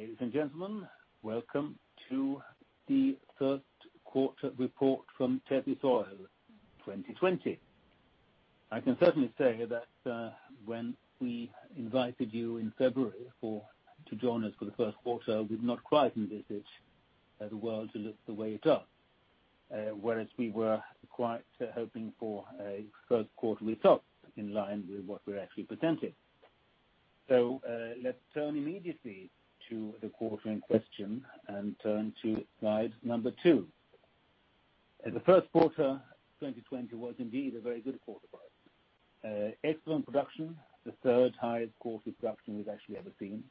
Ladies and gentlemen, welcome to the first quarter report from Tethys Oil 2020. I can certainly say that when we invited you in February to join us for the first quarter, we had not quite envisaged the world looking the way it does. We were quite hoping for a first quarter result in line with what we're actually presenting. Let's turn immediately to the quarter in question and turn to slide number two. The first quarter of 2020 was indeed a very good quarter for us. Excellent production, the third-highest quarter production we've actually ever seen.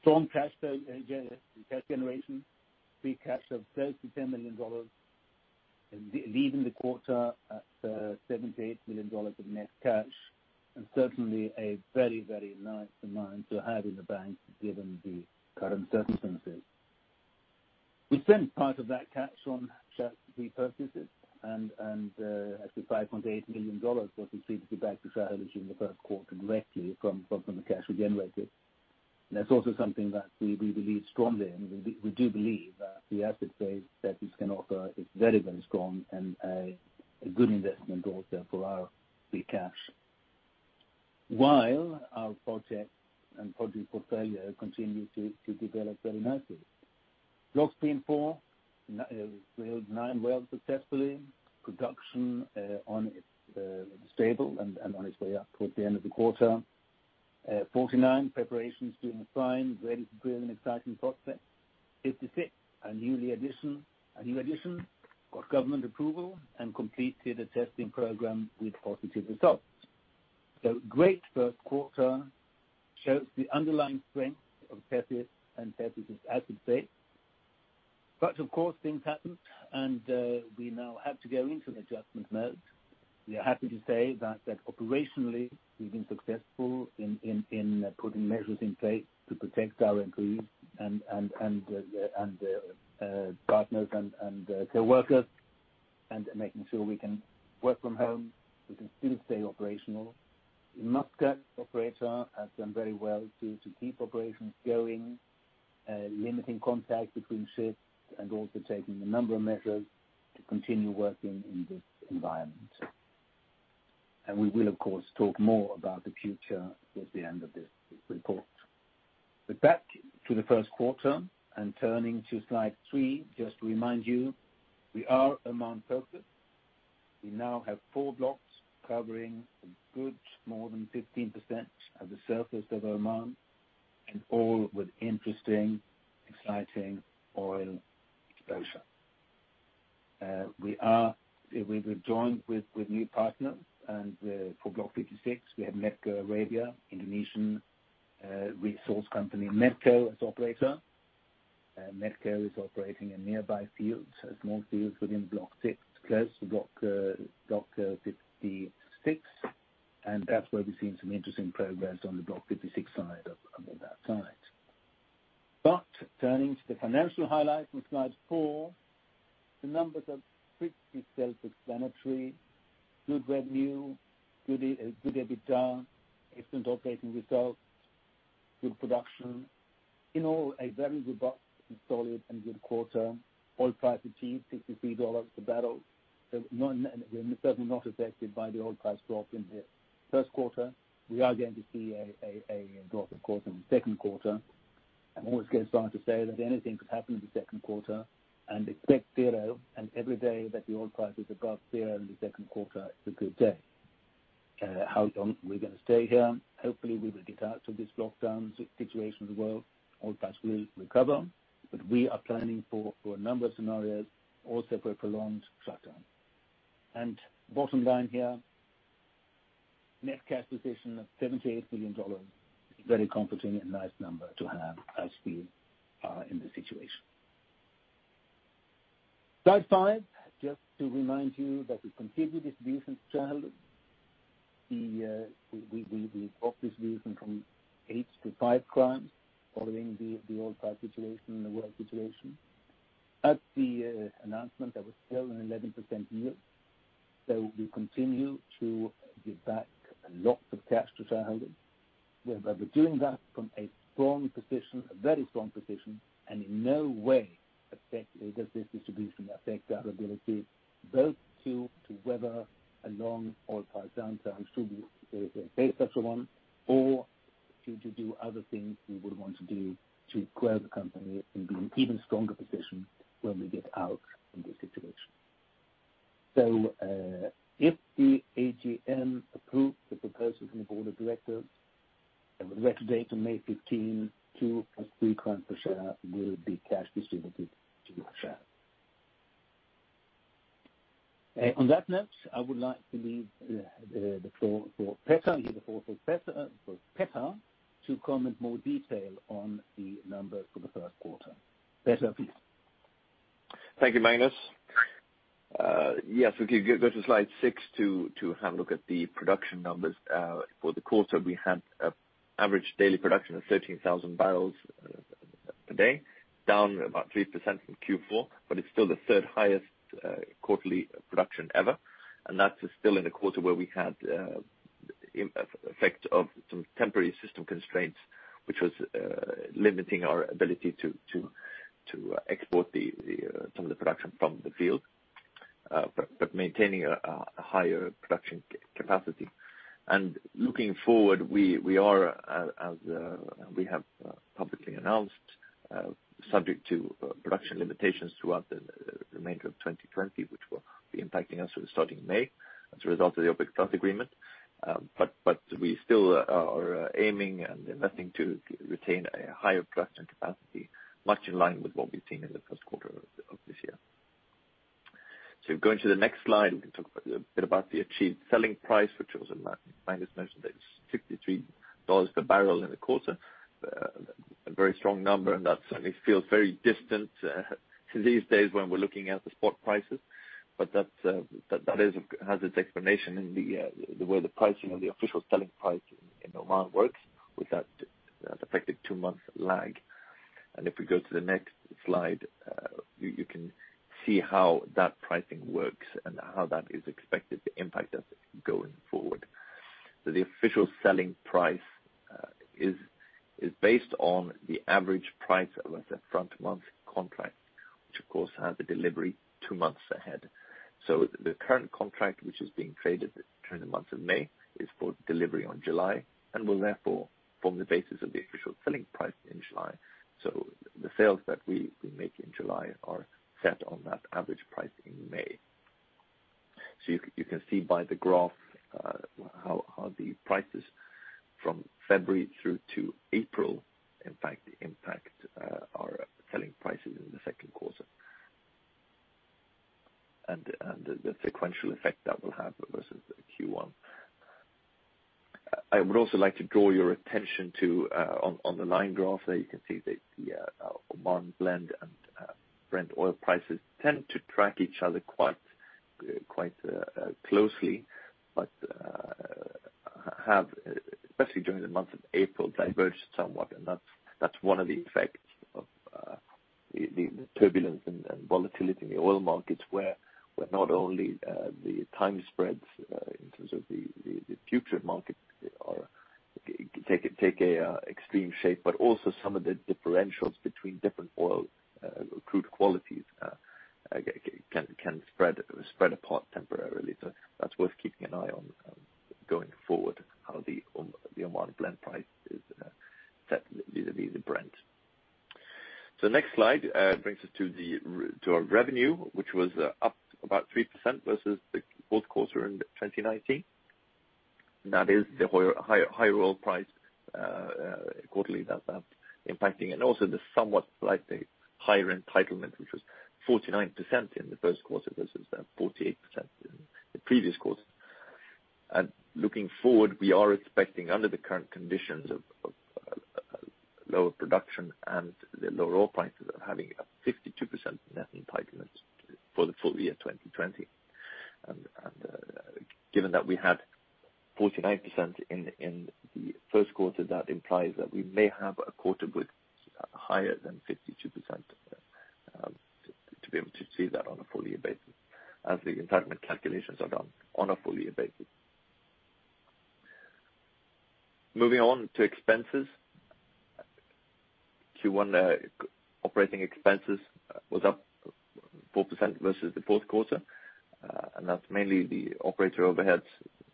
Strong cash generation. Free cash of $30 million-$10 million, leaving the quarter at $78 million of net cash, certainly a very, very nice amount to have in the bank given the current circumstances. We spent part of that cash on share repurchases. A $5.8 million was received back by shareholders in the first quarter directly from the cash we generated. That's also something that we believe strongly in. We do believe that the asset base that this can offer is very, very strong and a good investment also for our free cash. While our project and project portfolio continue to develop very nicely. Block 3 and Block 4 drilled nine wells successfully. Production on it is stable and on its way up towards the end of the quarter. Block 49 preparations are doing fine, ready to drill, an exciting process. Block 56, our new addition, got government approval and completed a testing program with positive results. Great first quarter shows the underlying strength of Tethys and Tethys' asset base. Of course, things happened, and we now have to go into adjustment mode. We are happy to say that operationally we’ve been successful in putting measures in place to protect our employees and partners and coworkers and making sure we can work from home. We can still stay operational. In Muscat, Operator has done very well to keep operations going, limiting contact between shifts and also taking a number of measures to continue working in this environment. We will, of course, talk more about the future at the end of this report. Back to the first quarter, and turning to slide three, just to remind you, we are Oman-focused. We now have four Block covering a good bit more than 15% of the surface of Oman, all with interesting, exciting oil exposure. We’ve joined with new partners, and for Block 56, we have Medco Arabia, an Indonesian resource company, Medco Energi, as Operator. Medco is operating a nearby field, a small field within Block 6, close to Block 56. That's where we've seen some interesting progress on the Block 56 side of that site. Turning to the financial highlights on slide four, the numbers are pretty self-explanatory. Good revenue, good EBITDA, excellent operating results. Good production. In all, a very robust and solid and good quarter. Oil prices achieved $63 a barrel, so we're certainly not affected by the oil price drop in the first quarter. We are going to see a drop, of course, in the second quarter. I'm always going to start to say that anything could happen in the second quarter, and expect zero, and every day that the oil price is above zero in the second quarter is a good day. How long we're going to stay here—hopefully, we will get out of this lockdown situation in the world. oil price will recover. We are planning for a number of scenarios, also for a prolonged shutdown. Bottom line here is a net cash position of $78 million. Very comforting and nice number to have as we are in this situation. Slide five, just to remind you that we continue the dividend challenge. We dropped this dividend from 8 to 5 following the oil price situation and the world situation. At the announcement, that was still an 11% yield. We continue to give back lots of cash to shareholders. We're doing that from a strong position, a very strong position. In no way does this distribution affect our ability either to weather a long oil price downturn, should we face such a one, or to do other things we would want to do to grow the company and be in an even stronger position when we get out of this situation. If the AGM approves the proposal from the board of directors, the record date of May 15, 2 + 3 per share, will be cash distributed to shareholders. On that note, I would like to leave the floor for Petter to comment in more detail on the numbers for the first quarter. Petter, please. Thank you, Magnus. Yes, we can go to slide six to have a look at the production numbers. For the quarter, we had an average daily production of 13,000 barrels per day, down about 3% from Q4, but it is still the third highest quarterly production ever. That is still in a quarter where we had the effect of some temporary system constraints, which was limiting our ability to export some of the production from the field but maintaining a higher production capacity. Looking forward, we have publicly announced, subject to production limitations throughout the remainder of 2020, which will be impacting us starting in May, as a result of the OPEC+ agreement. We still are aiming and investing to retain a higher production capacity, much in line with what we have seen in the first quarter of this year. Going to the next slide, we can talk a bit about the achieved selling price, which was, as Magnus mentioned, $63 per barrel in the quarter. A very strong number, that certainly feels very distant to these days when we're looking at the spot prices. That has its explanation in the way the pricing of the official selling price in Oman works, with that effective two-month lag. If we go to the next slide, you can see how that pricing works and how that is expected to impact us going forward. The official selling price is based on the average price of a front-month contract, which, of course, has a delivery two months ahead. The current contract, which is being traded during the month of May, is for delivery in July and will therefore form the basis of the official selling price in July. The sales that we make in July are set on that average price in May. You can see by the graph how the prices from February through April, in fact, impact our selling prices in the second quarter and the sequential effect that will have versus Q1. I would also like to draw your attention to the fact that on the line graph there, you can see that the Oman blend and Brent oil prices tend to track each other quite closely but have, especially during the month of April, diverged somewhat. That's one of the effects of the turbulence and volatility in the oil markets, where not only do the time spreads in terms of the future markets take an extreme shape, but also some of the differentials between different crude oil qualities can spread apart temporarily. That's worth keeping an eye on going forward: how the Oman blend price is set vis-à-vis the Brent. Next slide brings us to our revenue, which was up about 3% versus the fourth quarter in 2019. That is the higher oil price quarterly that's impacting, and also the somewhat slightly higher net entitlement, which was 49% in the first quarter versus 48% in the previous quarter. Looking forward, we are expecting, under the current conditions of lower production and the lower oil prices, to have a 52% net entitlement for the full year 2020. Given that we had 49% in the first quarter, that implies that we may have a quarter with higher than 52% to be able to see that on a full-year basis, as the entitlement calculations are done on a full-year basis. Moving on to expenses. Q1 operating expenses were up 4% versus the fourth quarter. That's mainly the operator overheads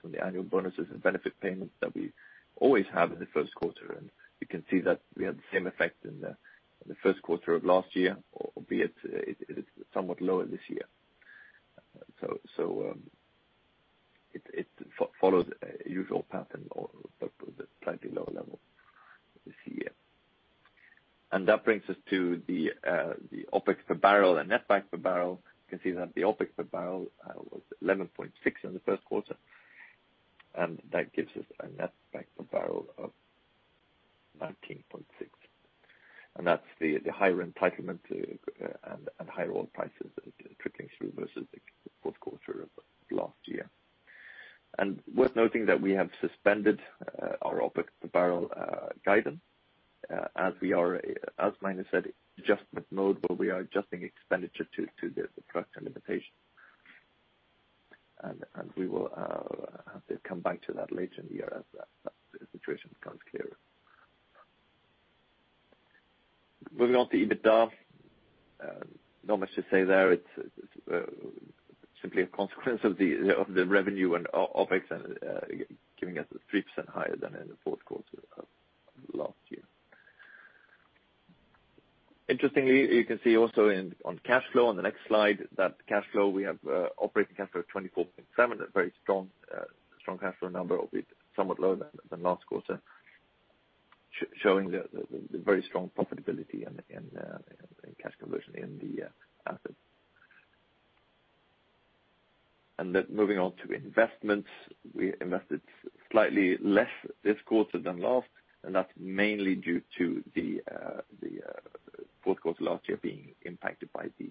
from the annual bonuses and benefit payments that we always have in the first quarter. You can see that we had the same effect in the first quarter of last year, albeit it is somewhat lower this year. It follows a usual pattern but with a slightly lower level this year. That brings us to the OPEX per barrel and netback per barrel. You can see that the OpEx per barrel was $11.6 in the first quarter. That gives us a netback per barrel of $19.6. That's the higher entitlement and higher oil prices trickling through versus the fourth quarter of last year. Worth noting that we have suspended our OpEx per barrel guidance, as Magnus said, in adjustment mode, where we are adjusting expenditure to the production limitation. We will have to come back to that later in the year as that situation becomes clearer. Moving on to EBITDA. Not much to say there. It's simply a consequence of the revenue and OpEx giving us 3% more than in the fourth quarter of last year. Interestingly, you can also see the cash flow on the next slide; that cash flow we have is operating cash flow of $24.7, a very strong cash flow number, albeit somewhat lower than last quarter, showing the very strong profitability and cash conversion in the asset. Moving on to investments. We invested slightly less this quarter than last; that's mainly due to the fourth quarter last year being impacted by the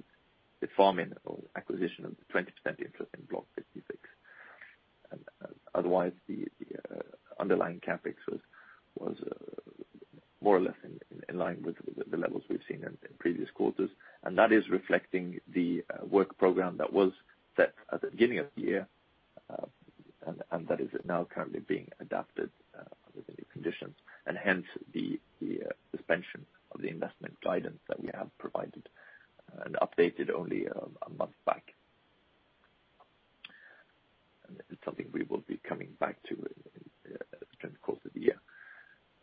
farm-in or acquisition of the 20% interest in Block 56. Otherwise, the underlying CapEx was more or less in line with the levels we've seen in previous quarters. That is reflecting the work program that was set at the beginning of the year, which is now currently being adapted to the new conditions; hence, the suspension of the investment guidance that we have provided and updated only a month back. It's something we will be coming back to during the course of the year.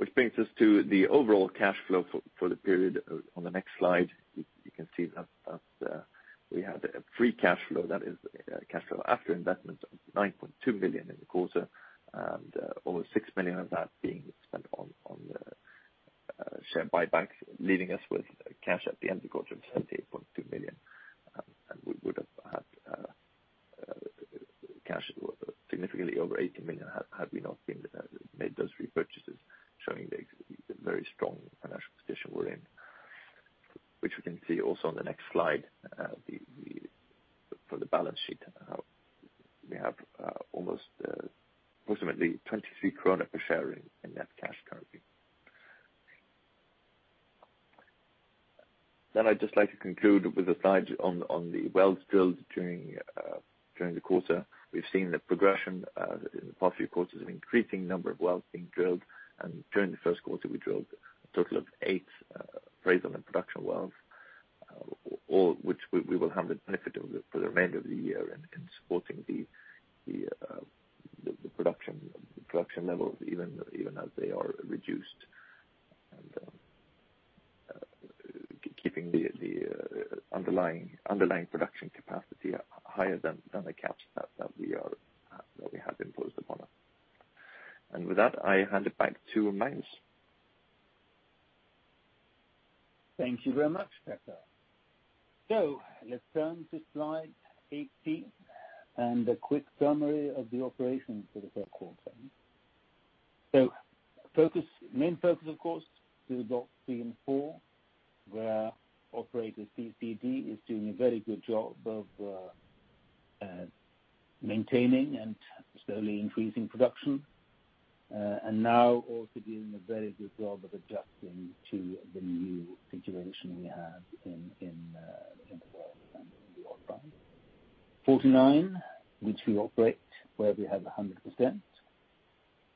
Which brings us to the overall cash flow for the period. On the next slide, you can see that we had a free cash flow, that is, cash flow after investments, of $9.2 million in the quarter, and over $6 million of that was spent on share buybacks, leaving us with cash at the end of the quarter of $78.2 million. We would have had cash significantly over $80 million had we not made those repurchases, showing the very strong financial position we're in. Which we can see also on the next slide for the balance sheet; we have approximately 23 krona per share in net cash currently. I'd just like to conclude with a slide on the wells drilled during the quarter. We've seen a progression in the past few quarters of an increasing number of wells being drilled. During the first quarter, we drilled a total of 8 appraisal and production wells, all of which we will have the benefit of for the remainder of the year in supporting the production levels even as they are reduced and keeping the underlying production capacity higher than the caps that we have imposed upon us. With that, I hand it back to Magnus. Thank you very much, Petter. Let's turn to slide 18 and a quick summary of the operations for the first quarter. Main focus, of course, is Block 3 and Block 4, where operator CCED is doing a very good job of maintaining and steadily increasing production. Now also doing a very good job of adjusting to the new situation we have in the world and the oil prices. 49, which we operate, where we have 100%,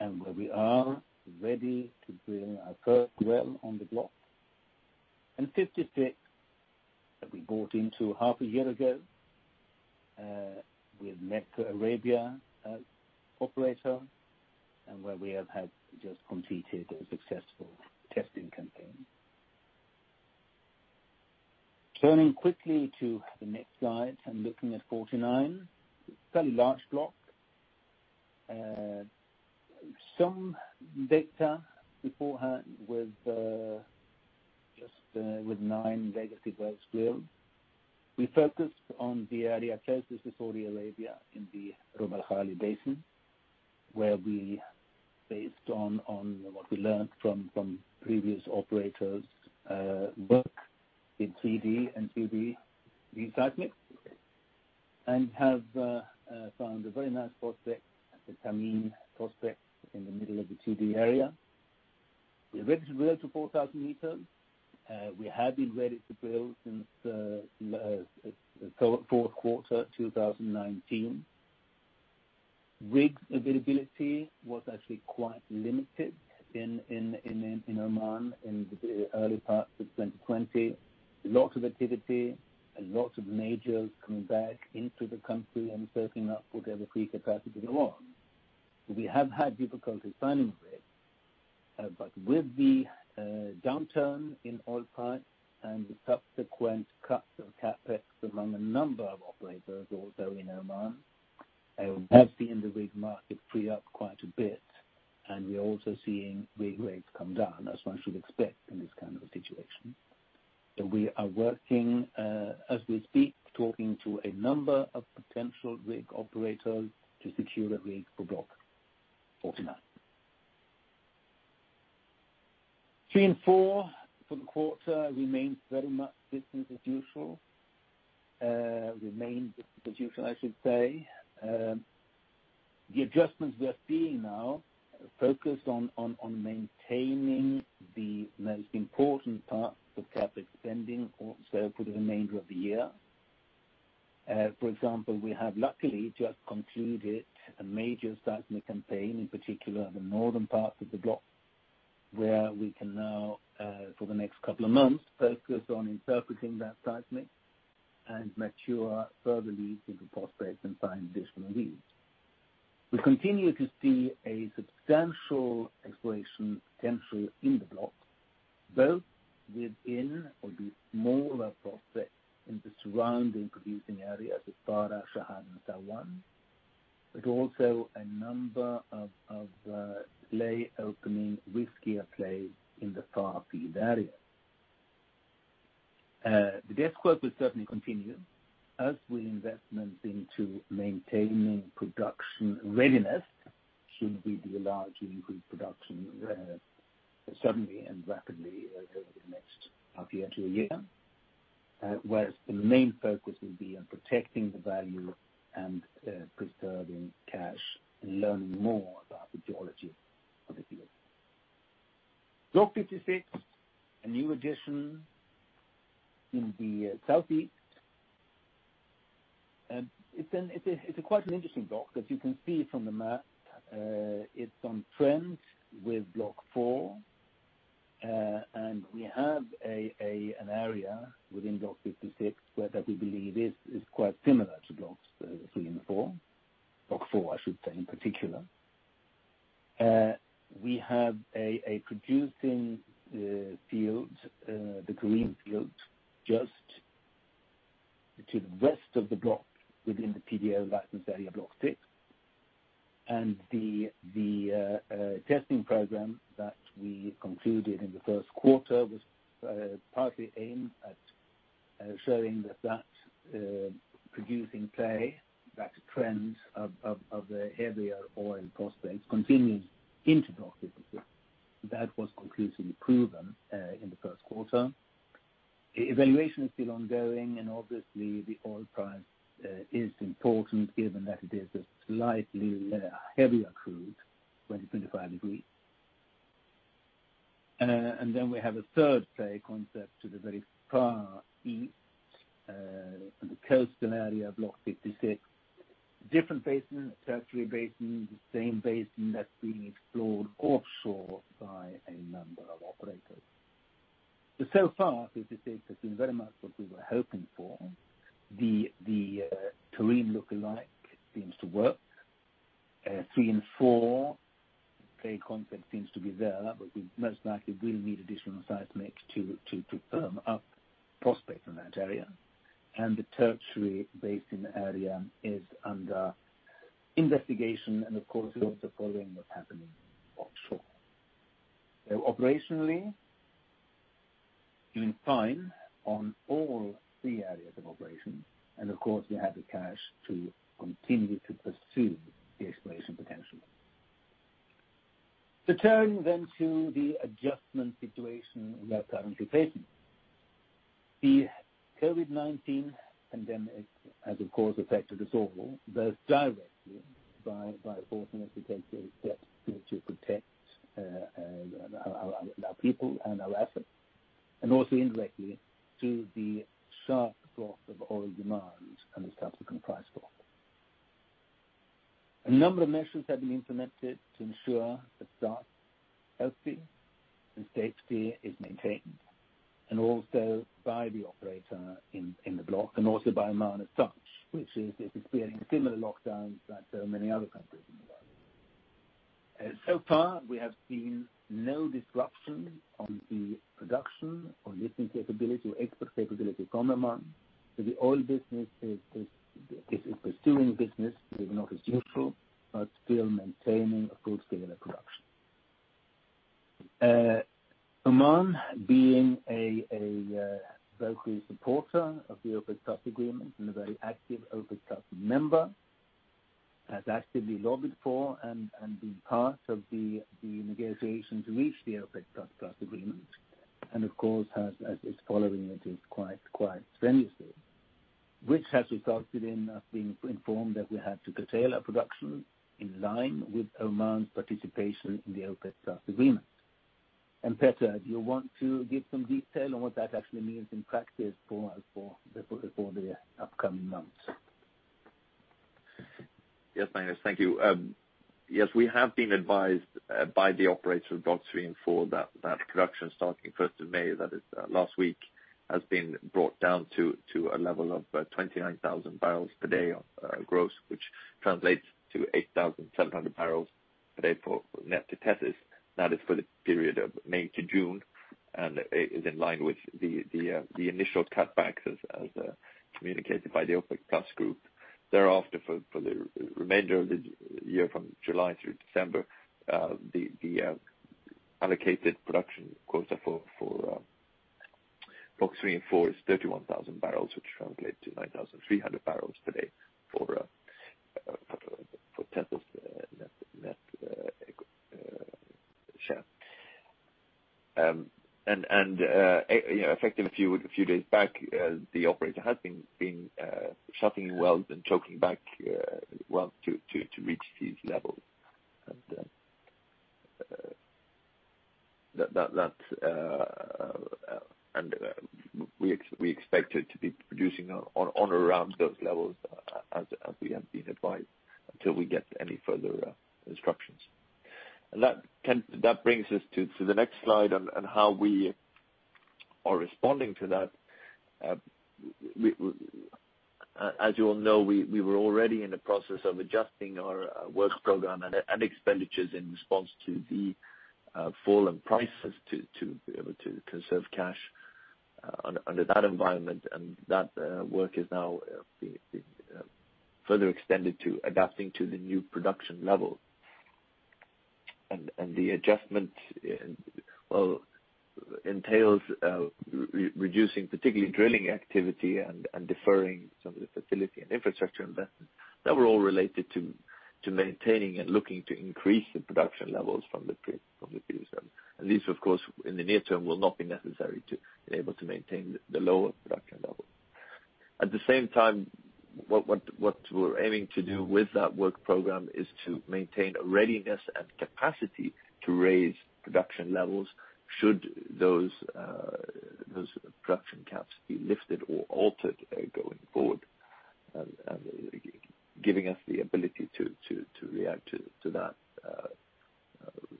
and where we are ready to drill our first well on the block. 56 that we bought into half a year ago, with Medco Arabia as operator, and where we have just completed a successful testing campaign. Turning quickly to the next slide and looking at 49, it's a very large block. Some data beforehand with just nine legacy wells drilled. We focused on the area closest to Saudi Arabia in the Rub' al Khali Basin, where we, based on what we learned from previous operators' work in 3D and 2D re-seismic, have found a very nice prospect at the Thameen Prospect in the middle of the 2D area. We're ready to drill to 4,000 meters. We have been ready to drill since the fourth quarter of 2019. Rig availability was actually quite limited in Oman in the early part of 2020. Lots of activity and lots of majors coming back into the country and soaking up whatever free capacity there was. We have had difficulty finding rigs. With the downturn in oil prices and the subsequent cuts of CapEx among a number of operators also in Oman, we have seen the rig market free up quite a bit, and we're also seeing rig rates come down, as one should expect in this kind of a situation. We are working, as we speak, talking to a number of potential rig operators to secure a rig for Block 49. Three and four for the quarter remain very much business as usual. Remains business as usual, I should say. The adjustments we are seeing now focus on maintaining the most important parts of capital spending also for the remainder of the year. For example, we have luckily just concluded a major seismic campaign, in particular the northern parts of the block, where we can now, for the next couple of months, focus on interpreting that seismic and mature further leads into prospects and find additional leads. We continue to see a substantial exploration potential in the block, both within the smaller prospects in the surrounding producing areas of Farha, Shahd, and Saiwan, but also a number of play-opening, riskier plays in the far-field area. The desk work will certainly continue, as will investments into maintaining production readiness should we be allowed to increase production suddenly and rapidly over the next half year to a year. Whereas the main focus will be on protecting the value and preserving cash and learning more about the geology of the field. Block 56, a new addition in the southeast. It's quite an interesting block, as you can see from the map. It's on trend with Block 4. We have an area within Block 56 where we believe it is quite similar Block 3&4. Block 4, I should say, in particular. We have a producing field, the Karim field, just to the west of the block within the PDO license area, Block 6. The testing program that we concluded in the first quarter was partly aimed at showing that producing play, that trend of the heavier oil prospects, continues into Block 56. That was conclusively proven in the first quarter. Evaluation is still ongoing, and obviously the oil price is important given that it is a slightly heavier crude, 20-25 degrees. We have a third play concept to the very far east, the coastal area of Block 56. Different basins, the Tertiary basin, the same basin that's being explored offshore by a number of operators. So far, 56 has been very much what we were hoping for. The Karim lookalike seems to work. 3 & 4 play concept seems to be there; we most likely will need additional seismic to firm up prospects in that area. The Tertiary basin area is under investigation, and of course, we are following what's happening offshore. Operationally, doing fine in all three areas of operation. Of course, we have the cash to continue to pursue the exploration potential. Turning then to the adjustment situation we are currently facing. The COVID-19 pandemic has, of course, affected us all, both directly by forcing us to take steps to protect our people and our assets and also indirectly through the sharp drop of oil demand and the subsequent price drop. A number of measures have been implemented to ensure that staff health and safety are maintained, and also by the operator in the block and also by Oman as such, which is experiencing similar lockdowns like so many other countries in the world. So far, we have seen no disruption on the production or lifting capability or export capability in Oman. The oil business is pursuing business. It is not as usual, but still maintaining a good scale of production. Oman, being a vocal supporter of the OPEC+ agreement and a very active OPEC+ member, has actively lobbied for and been part of the negotiations that reached the OPEC+ agreement and, of course, has been following it quite strenuously, which has resulted in us being informed that we had to curtail our production in line with Oman's participation in the OPEC+ agreement. And Petter, do you want to give some detail on what that actually means in practice for the upcoming months? Yes, Magnus. Thank you. Yes, we have been advised by the operator of Block 3&4 that production starting 1st of May, that is last week, has been brought down to a level of 29,000 barrels per day of gross, which translates to 8,700 barrels per day net to Tethys. That is for the period of May to June and is in line with the initial cutbacks as communicated by the OPEC+ group. Thereafter, for the remainder of the year from July through December, the allocated production quota for Block 3&4 is 31,000 barrels, which translates to 9,300 barrels per day for Tethys' net share. Effective a few days back, the operator has been shutting in wells and choking back wells to reach these levels. We expect it to be producing on or around those levels, as we have been advised, until we get any further instructions. That brings us to the next slide and how we are responding to that. As you all know, we were already in the process of adjusting our work program and expenditures in response to the fallen prices to be able to conserve cash under that environment. That work is now being further extended to adapt to the new production level. The adjustment entails reducing, particularly drilling activity, and deferring some of the facility and infrastructure investments that were all related to maintaining and looking to increase the production levels from the field. These, of course, in the near term, will not be necessary to be able to maintain the lower production levels. At the same time, what we're aiming to do with that work program is to maintain a readiness and capacity to raise production levels should those production caps be lifted or altered going forward, giving us the ability to react to that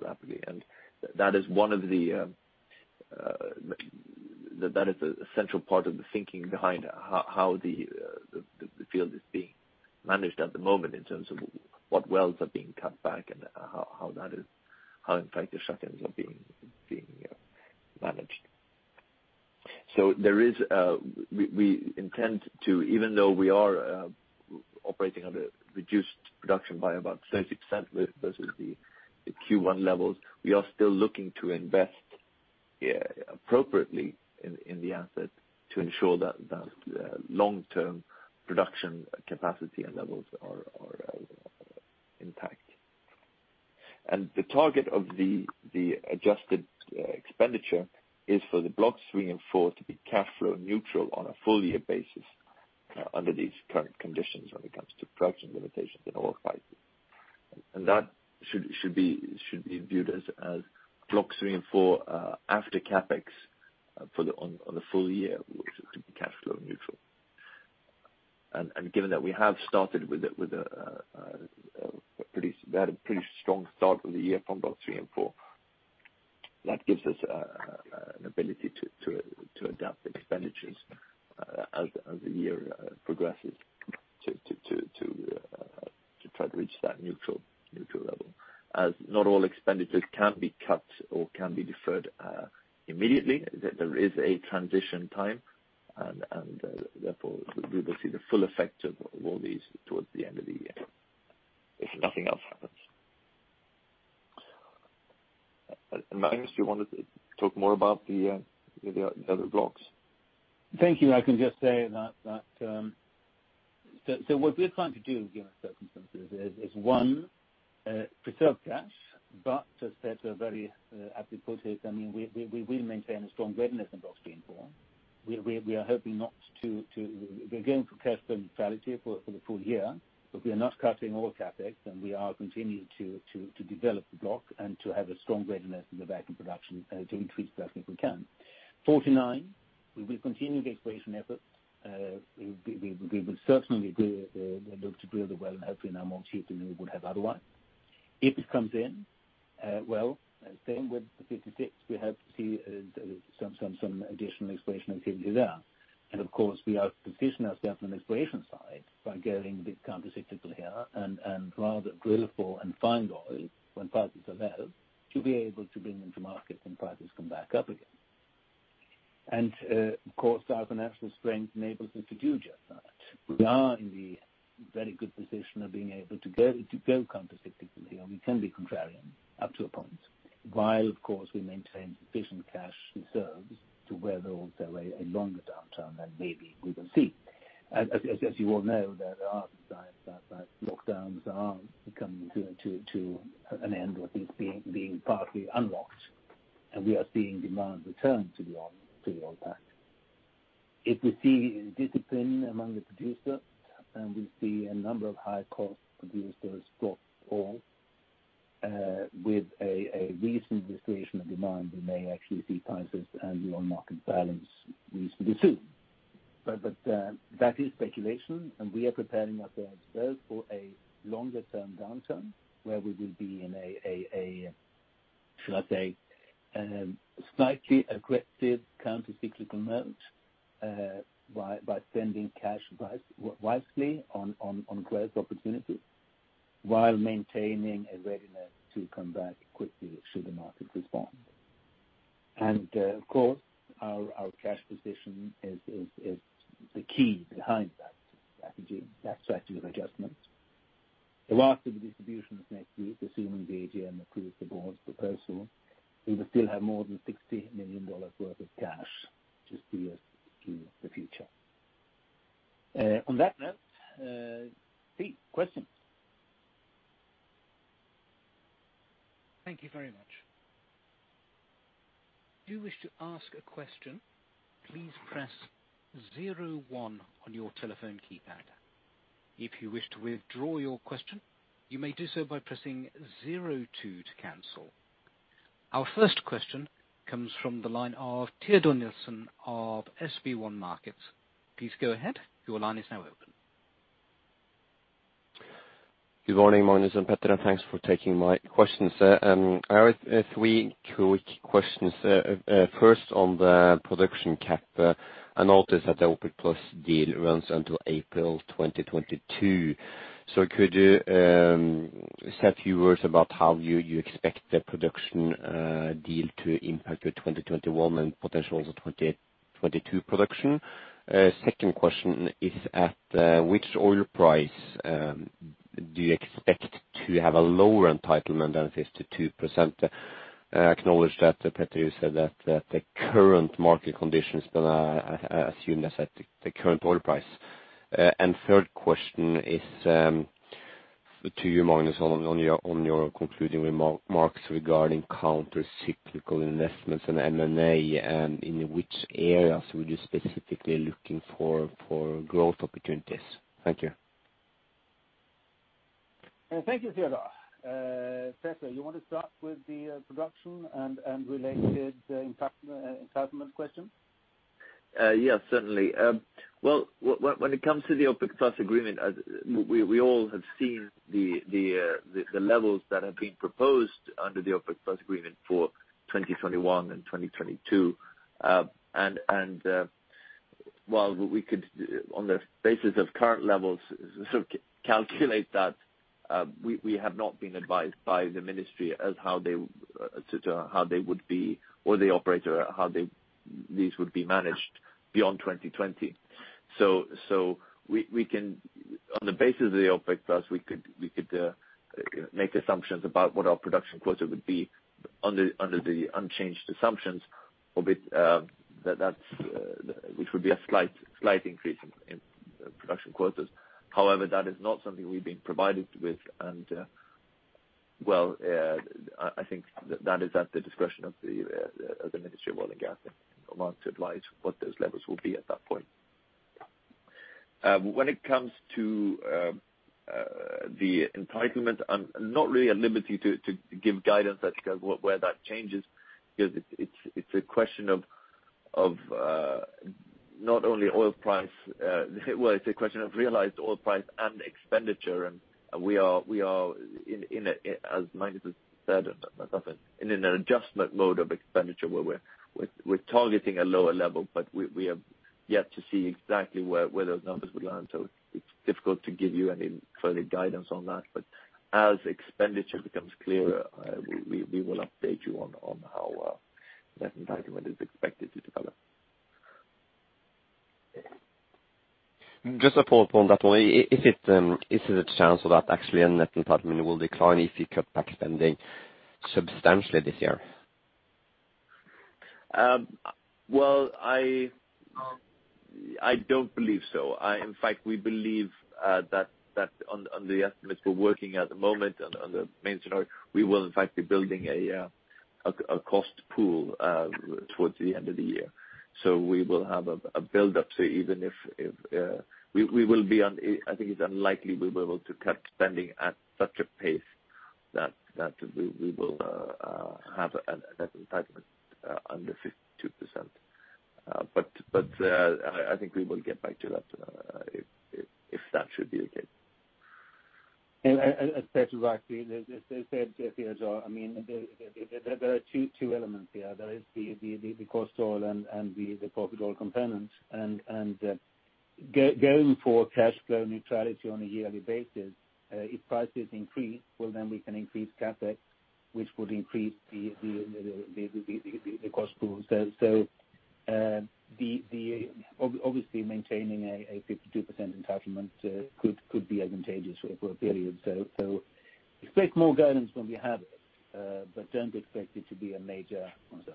rapidly. That is a central part of the thinking behind how the field is being managed at the moment in terms of what wells are being cut back and how, in fact, the shut-ins are being managed. We intend to; even though we are operating under reduced production by about 30% versus the Q1 levels, we are still looking to invest appropriately in the asset to ensure that long-term production capacity and levels are intact. The target of the adjusted expenditure is for Block 3&4 to be cash flow neutral on a full-year basis under these current conditions when it comes to production limitations and oil prices. That should be viewed as Block 3&4 after CapEx on the full year, which could be cash flow neutral. Given that we have started with a pretty strong start for the year from Block 3&4, that gives us an ability to adapt the expenditures as the year progresses to try to reach that neutral level, as not all expenditures can be cut or can be deferred immediately. There is a transition time, and therefore we will see the full effect of all these towards the end of the year if nothing else happens. Magnus, do you want to talk more about the other Block? Thank you. I can just say that what we're trying to do given the circumstances is, one, preserve cash, but as Petter very aptly put it, we will maintain a strong readiness in Block 3&4. We're going for cash neutrality for the full year, but we are not cutting all CapEx, and we are continuing to develop the block and to have a strong readiness in the back-end production to increase production if we can. 49. we will continue the exploration efforts. We will certainly look to drill the well and hopefully do it cheaper than we would have otherwise. If it comes in well, same with Block 56, we hope to see some additional exploration activity there. Of course, we are positioning ourselves on the exploration side by going a bit countercyclical here and rather drilling for and finding oil when prices are low, to be able to bring them to market when prices come back up again. Of course, our financial strength enables us to do just that. We are in the very good position of being able to go countercyclical here, and we can be contrarian up to a point, while of course we maintain sufficient cash reserves to weather also a longer downturn than maybe we will see. As you all know, there are signs that lockdowns are coming to an end with things being partly unlocked, and we are seeing demand return to the impact. If we see discipline among the producers, and we see a number of high-cost producers drop off with a recent restoration of demand, we may actually see prices and the oil market balance reasonably soon. That is speculation; we are preparing ourselves both for a longer-term downturn, where we will be in a, should I say, slightly aggressive countercyclical mode by spending cash wisely on growth opportunities while maintaining a readiness to come back quickly should the market respond. Of course, our cash position is the key behind that strategy of adjustment. The last of the distributions is next week; assuming the AGM approves the board's proposal, we will still have more than $60 million worth of cash to see us through the future. On that note, Steve, questions. Thank you very much. If you wish to ask a question, please press zero one on your telephone keypad. If you wish to withdraw your question, you may do so by pressing zero two to cancel. Our first question comes from the line of Teodor Sveen-Nilsen of SB1 Markets. Please go ahead. Your line is now open. Good morning, Magnus and Petter, and thanks for taking my questions. I have three quick questions. First, on the production cap, I notice that the OPEC+ deal runs until April 2022. Could you say a few words about how you expect the production deal to impact your 2021 and potentially also 2022 production? Second question is at which oil price do you expect to have a lower entitlement than 52%? I acknowledge that, Petter, you said that about the current market conditions, but I assume that's at the current oil price. Third question is to you, Magnus, on your concluding remarks regarding counter-cyclical investments and M&A, in which areas were you specifically looking for growth opportunities? Thank you. Thank you, Teodor. Petter, you want to start with the production and related entitlement questions? Yes, certainly. Well, when it comes to the OPEC+ agreement, we all have seen the levels that have been proposed under the OPEC+ agreement for 2021 and 2022. While we could, on the basis of current levels, calculate that, we have not been advised by the Ministry as to how they would be, or the operator, how these would be managed beyond 2020. We can, on the basis of OPEC+, make assumptions about what our production quota would be under the unchanged assumptions, which would be a slight increase in production quotas. However, that is not something we've been provided with and, well, I think that is at the discretion of the Ministry of Oil and Gas in Oman to advise what those levels will be at that point. When it comes to entitlement, I'm not really at liberty to give guidance as to where that changes, because it's a question of not only oil price. Well, it's a question of realized oil price and expenditure, and we are, as Magnus has said, in an adjustment mode of expenditure where we're targeting a lower level, but we have yet to see exactly where those numbers would land. It's difficult to give you any further guidance on that. As expenditure becomes clearer, we will update you on how that entitlement is expected to develop. Just to follow up on that point, is it a chance that actually a net entitlement will decline if you cut back spending substantially this year? Well, I don't believe so. In fact, we believe that on the estimates we're working on at the moment, in the main scenario, we will in fact be building a cost pool towards the end of the year. We will have a buildup. I think it's unlikely we'll be able to cut spending at such a pace that we will have a net entitlement under 52%. I think we will get back to that if that should be the case. As Petter rightly has said, Teodor, there are two elements here. There is the cost oil and the profit oil component. Going for cash flow neutrality on a yearly basis, if prices increase, well, then we can increase CapEx, which would increase the cost pool. Obviously maintaining a 52% entitlement could be advantageous for a period. Expect more guidance when we have it, but don't expect it to be a major concern.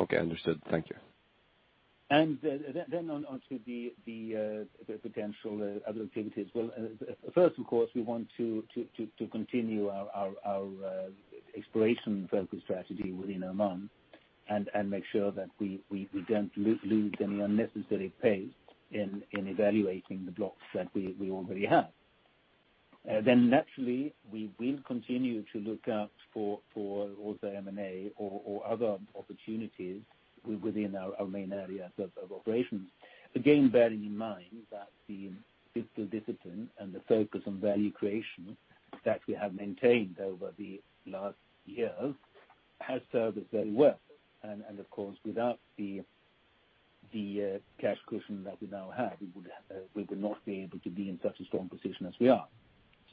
Okay, understood. Thank you. On to the potential other activities. Well, first, of course, we want to continue our exploration-focused strategy within Oman and make sure that we don't lose any unnecessary pace in evaluating the Block that we already have. We will continue to look out for other M&A or other opportunities within our main areas of operations. Bearing in mind that the fiscal discipline and the focus on value creation that we have maintained over the last years have served us very well. Without the cash cushion that we now have, we would not be able to be in such a strong position as we are.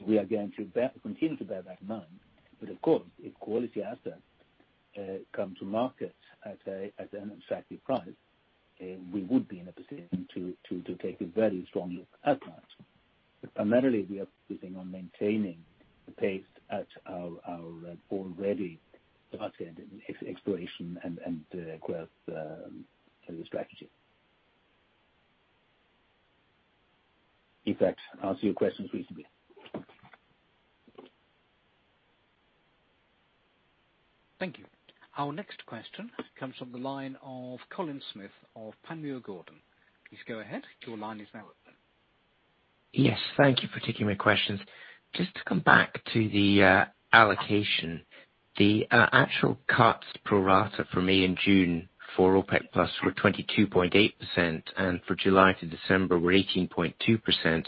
We are going to continue to bear that in mind. If quality assets come to market at an attractive price, we would be in a position to take a very strong look at that. Primarily, we are focusing on maintaining the pace of our already diversified exploration and growth strategy. If that answers your questions reasonably. Thank you. Our next question comes from the line of Colin Smith of Panmure Gordon. Please go ahead. Your line is now open. Yes. Thank you for taking my questions. Just to come back to the allocation, the actual cuts pro rata for May and June for OPEC+ were 22.8%, and for July to December were 18.2%.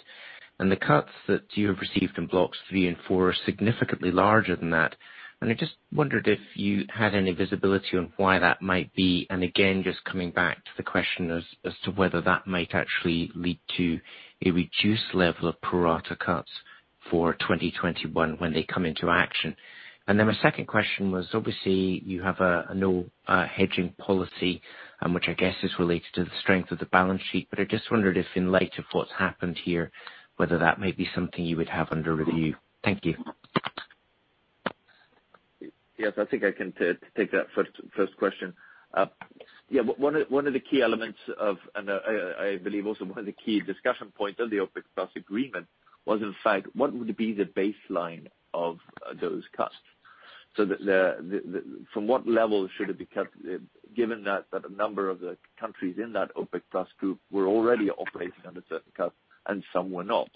The cuts that you have received in Block 3&4 are significantly larger than that. I just wondered if you had any visibility on why that might be, and again, just coming back to the question as to whether that might actually lead to a reduced level of pro rata cuts for 2021 when they come into effect. My second question was, obviously, you have a no-hedging policy, which I guess is related to the strength of the balance sheet. I just wondered if, in light of what's happened here, that might be something you would have under review. Thank you. Yes, I think I can take that first question. One of the key elements of, and I believe also one of the key discussion points of, the OPEC+ agreement was, in fact, what would be the baseline of those cuts? From what level should it be cut, given that a number of the countries in that OPEC+ group were already operating under certain cuts and some were not?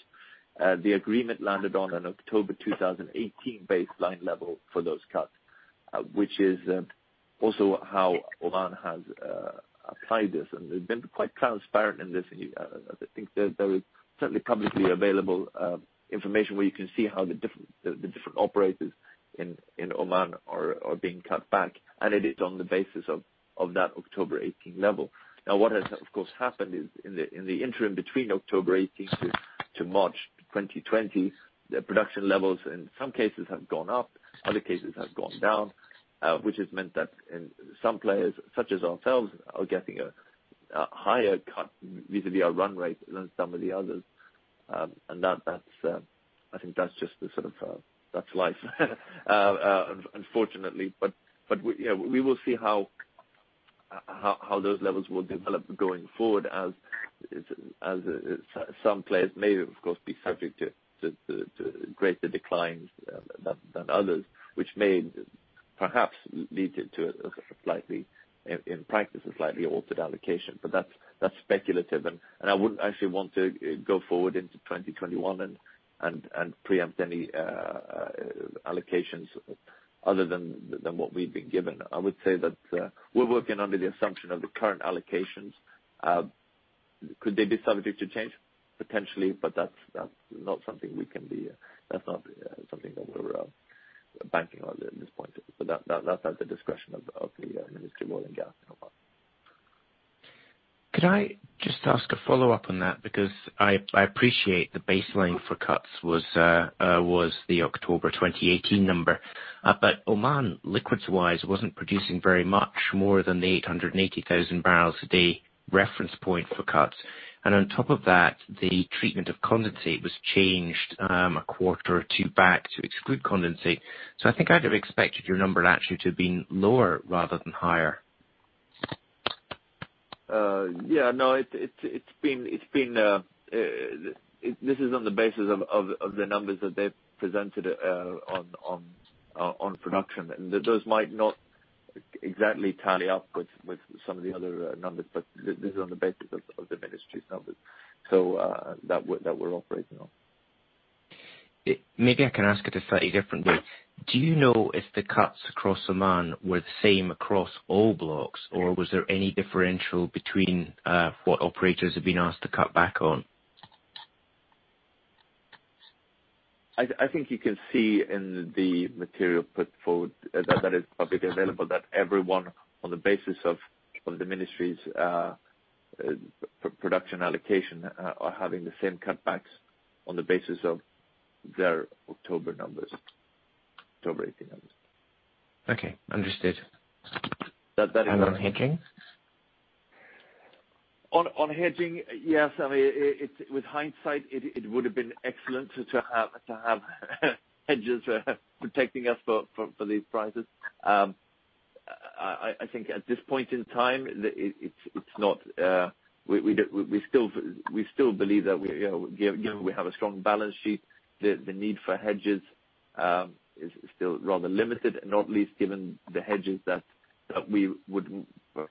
The agreement landed on an October 2018 baseline level for those cuts, which is also how Oman has applied this, and they've been quite transparent in this. I think there is certainly publicly available information where you can see how the different operators in Oman are being cut back, and it is on the basis of that October 2018 level. Now, what has, of course, happened is in the interim between October 2018-March 2020, the production levels in some cases have gone up and in other cases have gone down, which has meant that some players, such as ourselves, are getting a higher cut vis-à-vis our run rate than some of the others. I think that's life, unfortunately. We will see how those levels will develop going forward, as some players may, of course, be subject to greater declines than others, which may perhaps lead to, in practice, a slightly altered allocation. That's speculative, and I wouldn't actually want to go forward into 2021 and preempt any allocations other than what we've been given. I would say that we're working under the assumption of the current allocations. Could they be subject to change? Potentially, but that's not something that we're banking on at this point. That's at the discretion of the Ministry of Oil and Gas in Oman. Could I just ask a follow-up on that? I appreciate the baseline for cuts was the October 2018 number. Oman, liquids-wise, wasn't producing very much more than the 880,000 barrels a day reference point for cuts. On top of that, the treatment of condensate was changed a quarter or two back to exclude condensate. I think I'd have expected your number actually to have been lower rather than higher. Yeah. No, this is on the basis of the numbers that they've presented on production. Those might not exactly tally up with some of the other numbers, but this is on the basis of the Ministry's numbers that we're operating on. Maybe I can ask it a slightly different way. Do you know if the cuts across Oman were the same across all Block, or was there any difference between what operators have been asked to cut back on? I think you can see in the material put forward that is publicly available that everyone, on the basis of the Ministry's production allocation, is having the same cutbacks on the basis of their October 2018 numbers. Okay. Understood. That- On hedging? On hedging, yes. With hindsight, it would've been excellent to have hedges protecting us for these prices. I think at this point in time, we still believe that given we have a strong balance sheet, the need for hedges is still rather limited, and not least given the hedges that we would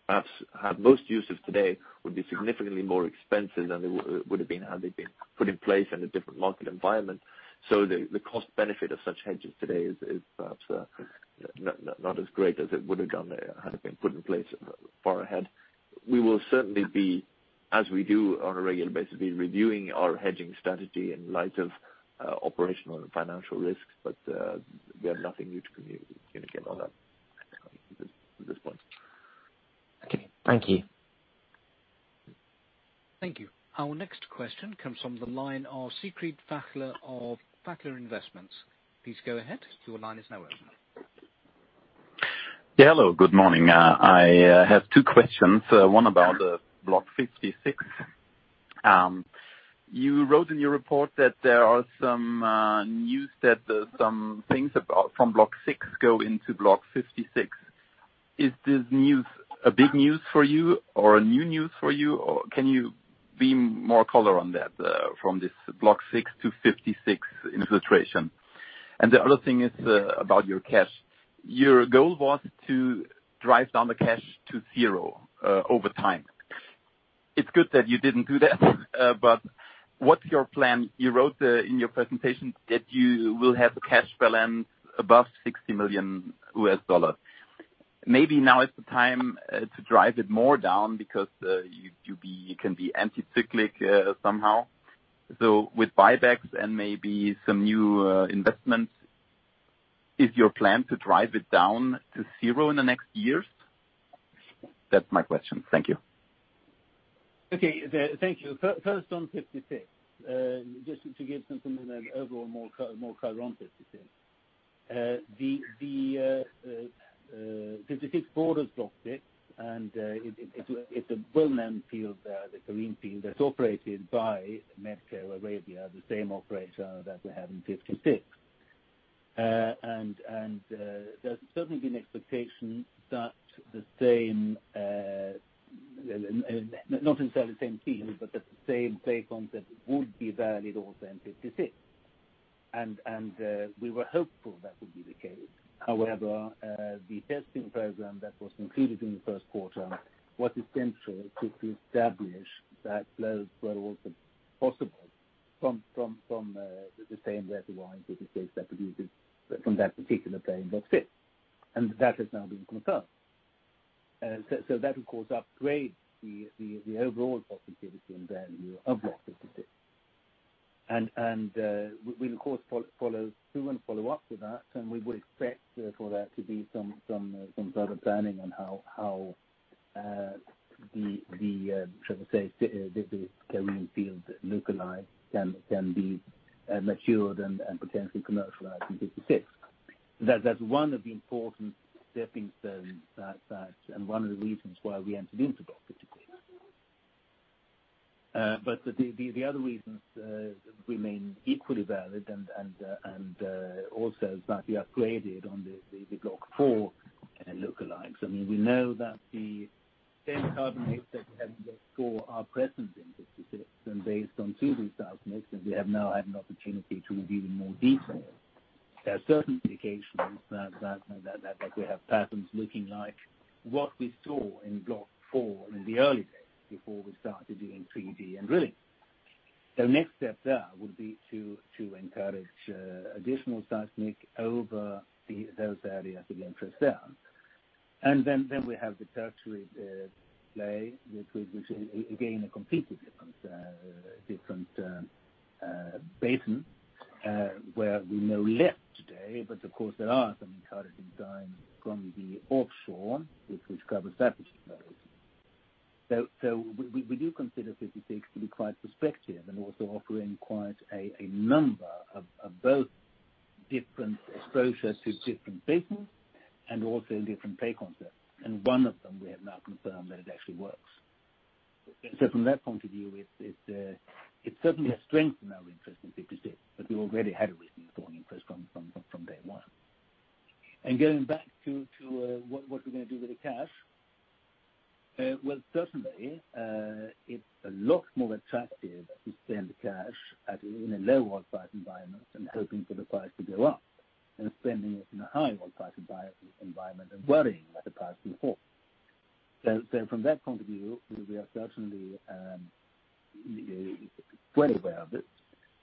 perhaps have most use of today would be significantly more expensive than they would've been had they been put in place in a different market environment. The cost benefit of such hedges today is perhaps not as great as it would've been had it been put in place far ahead. We will certainly be, as we do on a regular basis, reviewing our hedging strategy in light of operational and financial risks. We have nothing new to communicate on that at this point. Okay. Thank you. Thank you. Our next question comes from the line of [Siegfried Fackler] of [Fackler Investments]. Please go ahead. Your line is now open. Yeah, hello. Good morning. I have two questions, one about Block 56. You wrote in your report that there is some news that some things from Block 6 go into Block 56. Is this news big news for you or new news for you? Can you be more colorful on that from this Block 6-56 infiltration? The other thing is about your cash. Your goal was to drive down the cash to zero over time. It's good that you didn't do that, but what's your plan? You wrote in your presentation that you will have a cash balance above $60 million. Maybe now is the time to drive it more down because you can be anticyclical somehow. With buybacks and maybe some new investments, is your plan to drive it down to zero in the next years? That's my question. Thank you. Okay. Thank you. First on 56. Just to give something of an overall more color on 56. 56 borders Block 6, and it's a well-known field, the Karim field, that's operated by Medco Arabia, the same operator that we have in 56. There's certainly been expectation that, not necessarily the same field, but that the same play concept would be valid also in Block 56. We were hopeful that would be the case. However, the testing program that was concluded in the first quarter was essential to establish that flows were also possible from the same reservoir and Block 56 that we use from that particular play in Block 6, and that has now been confirmed. That, of course, upgrades the overall profitability and value of Block 56. We'll, of course, follow through and follow up with that, and we would expect for there to be some further planning on how the, should I say, Karim field look-alikes can be matured and potentially commercialized in Block 56. That's one of the important stepping stones and one of the reasons why we entered into Block 56. The other reasons remain equally valid and also slightly upgraded on the Block 4 lookalikes. We know that the same carbonates that we have in Block 4 are present in 56, based on 2D seismics, and we have now had an opportunity to review in more detail. There are certain indications that we have patterns looking like what we saw in Block 4 in the early days before we started doing 3D and drilling. The next step there would be to encourage additional seismic surveys over those areas of interest there. Then we have the Tertiary play, which is again, a completely different basin, where we know less today, but of course, there are some encouraging signs from the offshore, which covers that basin as well. We do consider 56 to be quite prospective and also offering quite a number of different exposures to different basins and also different play concepts. One of them—we have now confirmed that it actually works. From that point of view, it certainly has strengthened our interest in 56, but we already had a reason for interest from day one. Getting back to what we're going to do with the cash. Well, certainly, it's a lot more attractive to spend cash in a low oil price environment than hoping for the price to go up than spending it in a high oil price environment and worrying that the price will fall. From that point of view, we are certainly well aware of it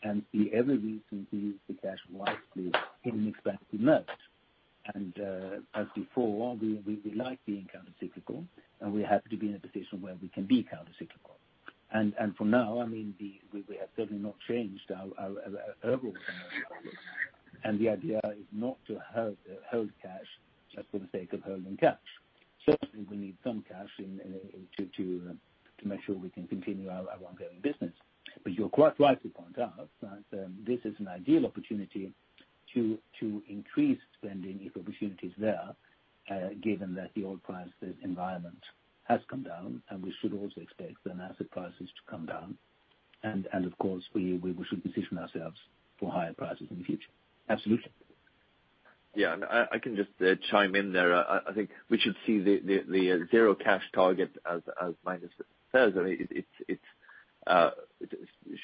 and see every reason to use the cash wisely in an defensive manner. As before, we like being counter-cyclical, and we're happy to be in a position where we can be counter-cyclical. For now, we have certainly not changed our overall position. The idea is not to hold cash just for the sake of holding cash. Certainly, we need some cash to make sure we can continue our ongoing business. You're quite right to point out that this is an ideal opportunity to increase spending if opportunity is there, given that the oil price environment has come down, and we should also expect the asset prices to come down. Of course, we should position ourselves for higher prices in the future. Absolutely. Yeah, I can just chime in there. I think we should see the zero cash target, as Magnus says. It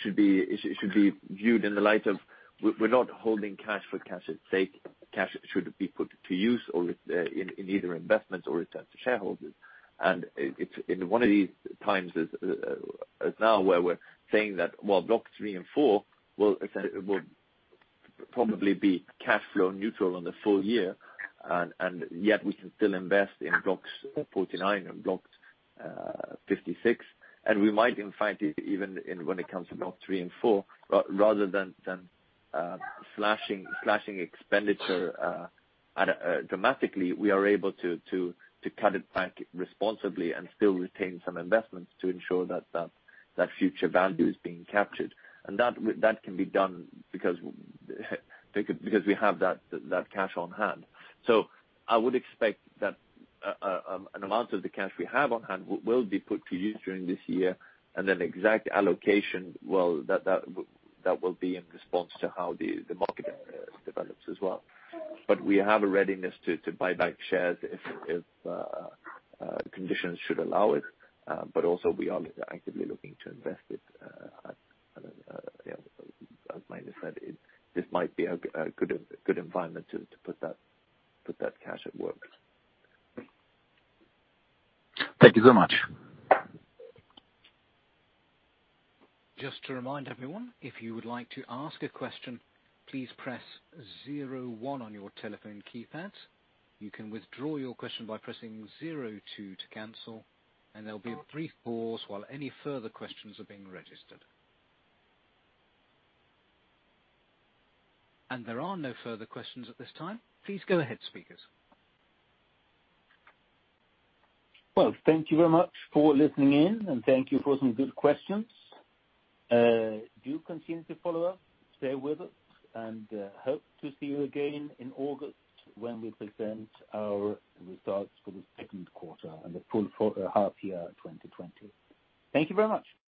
should be viewed in the light that we're not holding cash for cash's sake. Cash should be put to use either in investments or returned to shareholders. In one of these times, as now, we're saying that while Block 3&4 will probably be cash flow neutral on the full year, we can still invest in Block 49 and Block 56. We might even find it, even when it comes to Block 3&4, rather than slashing expenditure dramatically, we are able to cut it back responsibly and still retain some investments to ensure that future value is being captured. That can be done because we have that cash on hand. I would expect that an amount of the cash we have on hand will be put to use during this year. Exact allocation, well, that will be in response to how the market develops as well. We have a readiness to buy back shares if conditions should allow it. Also, we are actively looking to invest it. As Magnus said, this might be a good environment to put that cash at work. Thank you so much. Just to remind everyone, if you would like to ask a question, please press zero one on your telephone keypad. You can withdraw your question by pressing zero two to cancel, and there'll be a brief pause while any further questions are being registered. There are no further questions at this time. Please go ahead, speakers. Well, thank you very much for listening in, and thank you for some good questions. Do continue to follow up; stay with us, and hope to see you again in August when we present our results for the second quarter and the full half-year 2020. Thank you very much.